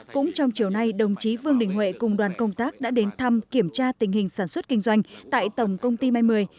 cũng trong chiều nay đồng chí vương đình huệ cùng đoàn công tác đã đến thăm kiểm tra tình hình sản xuất kinh doanh tại tổng công ty mai mười